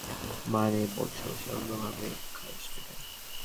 মানে, বলছো, সে অন্যভাবে নিজের খায়েশ মেটায়?